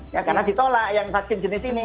ya karena ditolak yang vaksin jenis ini